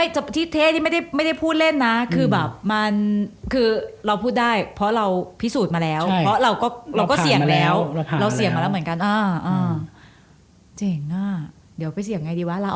นัทตอนนี้ก็พร้อมกลับมาด่าพี่เหมือนเดิมค่ะ